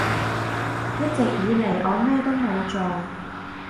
一直以嚟我咩都冇做